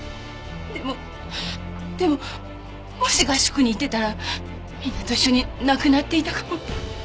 でもでももし合宿に行ってたらみんなと一緒に亡くなっていたかも。